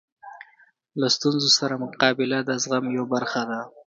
له ستونزو سره مقابله د زغم یوه برخه ده.